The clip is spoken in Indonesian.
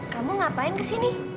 kamu ngapain kesini